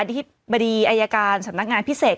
ธิบดีอายการสำนักงานพิเศษ